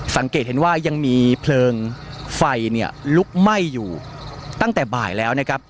สังเกตเห็นว่ายังมีเพลิงไฟเนี่ยลุกไหม้อยู่ตั้งแต่บ่ายแล้วนะครับ